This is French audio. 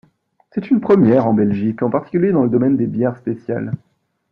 C'est une première en Belgique, en particulier dans le domaine des bières spéciales.